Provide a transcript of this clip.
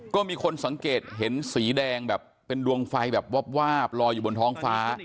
ก็มีคนสังเกตเห็นสีแดงแบบเป็นดวงไฟแบบวาบลอยอยู่บนท้องฟ้า